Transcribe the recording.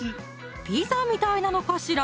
ピザみたいなのかしら？